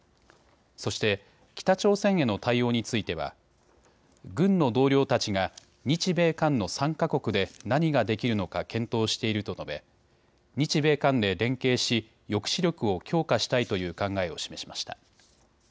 そして北朝鮮への対応については軍の同僚たちが日米韓の３か国で何ができるのか検討していると述べ、日米韓で連携し、抑止力を強化したいという考えを示しました。